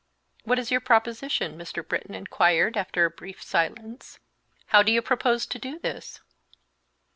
"What is your proposition?" Mr. Britton inquired, after a brief silence; "how do you propose to do this?"